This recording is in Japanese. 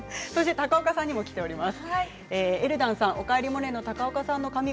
高岡さんにもきています。